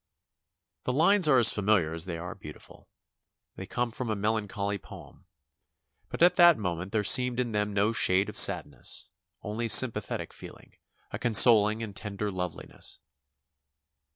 The lines are as familiar as they are beautiful. They come from a melancholy poem, but at that mo ment there seemed in them no shade of sadness, only sympathetic feeling, a consoling and tender loveliness.